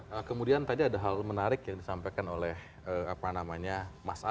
nah kemudian tadi ada hal menarik yang disampaikan oleh apa namanya mas awi